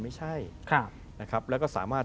ไม่ใช่แล้วก็สามารถ